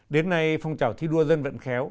đến nay phong trào thi đua dân vận khéo